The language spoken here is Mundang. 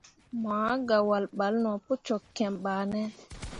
Mo ah gah wahl balle no pu cok kiem bah ne.